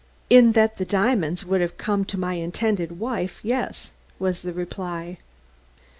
"In that the diamonds would have come to my intended wife, yes," was the reply.